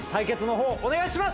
お願いします。